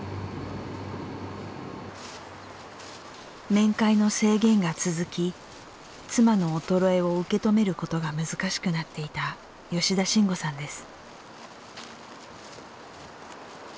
面会の制限が続き妻の衰えを受け止めることが難しくなっていた吉田晋悟さんです。